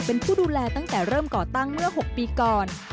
เป็นผู้ดูแลตั้งแต่เริ่มก่อตั้งเมื่อ๖ปีก่อน